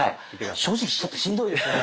正直ちょっとしんどいですね。